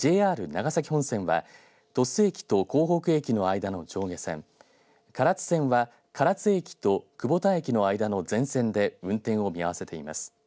長崎本線は鳥栖駅と江北駅の間の上下線唐津線は唐津駅と久保田駅の間の全線で運転を見合わせています。